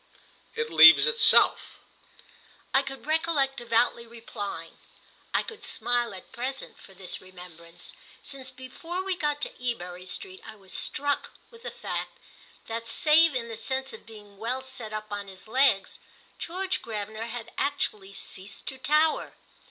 "It leaves itself!" I could recollect devoutly replying. I could smile at present for this remembrance, since before we got to Ebury Street I was struck with the fact that, save in the sense of being well set up on his legs, George Gravener had actually ceased to tower.